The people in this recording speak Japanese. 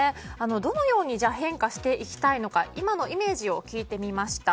どのように変化していきたいのか今のイメージを聞いてみました。